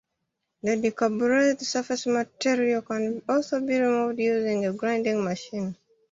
The decarburized surface material can also be removed using a grinding machine.